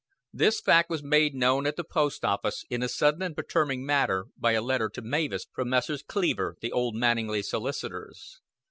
This fact was made known at the post office in a sudden and perturbing manner by a letter to Mavis from Messrs. Cleaver, the Old Manninglea solicitors.